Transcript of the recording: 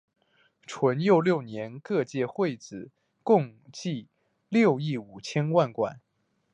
淳佑六年各界会子共计六亿五千万贯。